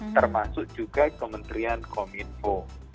termasuk juga kementerian komitpo